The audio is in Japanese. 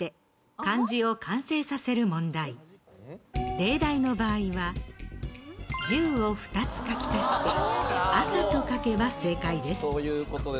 例題の場合は「十」を２つ書き足して「朝」と書けば正解です。